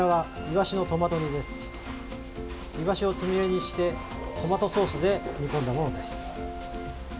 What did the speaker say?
イワシをつみれにしてトマトソースで煮込んだものです。